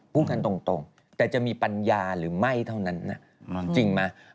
พูดกันตรงแต่จะมีปัญญาหรือไม่เท่านั้นนะจริงไหม